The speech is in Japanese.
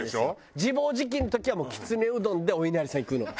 自暴自棄の時はもうきつねうどんでおいなりさんいくの。